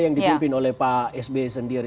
yang dibimbing oleh pak sbi sendiri